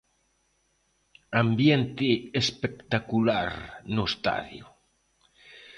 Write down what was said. Ambiente espectacular no estadio.